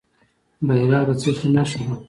بیرغ د څه شي نښه ده؟